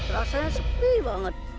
rasanya sepi banget